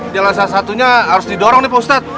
jalan salah satunya harus didorong nih pak ustaz